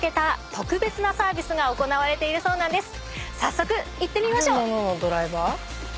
早速行ってみましょう！